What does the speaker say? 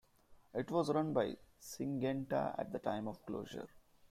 It was run by Syngenta at the time of closure.